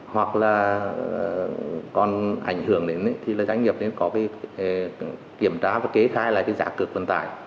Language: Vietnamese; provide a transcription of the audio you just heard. hoặc là còn ảnh hưởng đến thì là doanh nghiệp có việc kiểm tra và kế thai lại giá cực vận tải